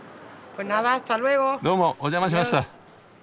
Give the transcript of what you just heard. どうもお邪魔しました！